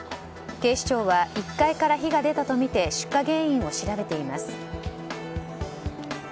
警視庁は１階から火が出たとみて出火原因を調べています。